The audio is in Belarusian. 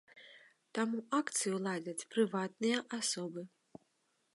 Таму акцыю ладзяць прыватныя асобы.